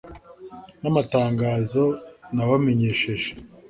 n'amatangazo nabamenyesheje